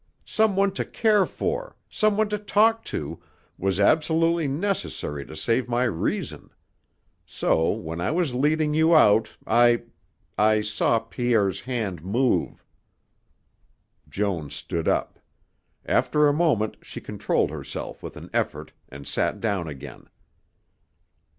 Some one to care for, some one to talk to, was absolutely necessary to save my reason. So when I was leading you out, I I saw Pierre's hand move " Joan stood up. After a moment she controlled herself with an effort and sat down again.